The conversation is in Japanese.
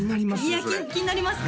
いや気になりますか？